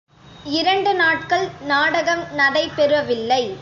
இரண்டு நாட்கள் நாடகம் நடைபெறவில்லை.